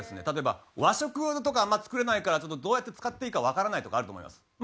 例えば和食とかあんま作れないからちょっとどうやって使っていいかわからないとかあると思います。